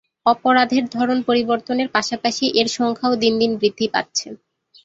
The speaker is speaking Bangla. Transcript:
অপরাধের ধরন পরিবর্তনের পাশাপাশি এর সংখ্যাও দিনদিন বৃদ্ধি পাচ্ছে।